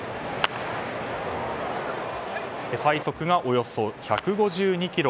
最速がおよそ１５２キロ。